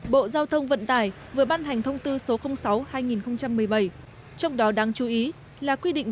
bộ giao thông vận tải vừa ban hành thông tư số sáu hai nghìn một mươi bảy trong đó đáng chú ý là quy định